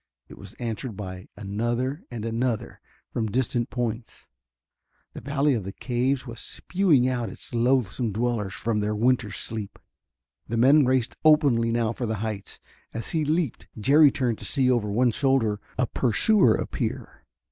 It was answered by another and another from distant points. The valley of the caves was spewing out its loathsome dwellers from their winter's sleep. The men raced openly now for the heights. As he leaped, Jerry turned to see over one shoulder a pursuer appear.